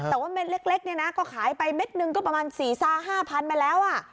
แต่ว่าเม็ดเล็กก็ขายไปเม็ดหนึ่งก็ประมาณ๔๕๐๐๐บาทไปแล้ว